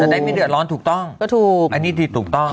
ได้ไม่เดือดร้อนถูกต้องก็ถูกอันนี้ผิดถูกต้อง